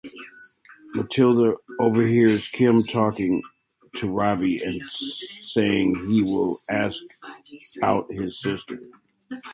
Matilda overhears Kim talking to Robbie and saying he will ask out his sister.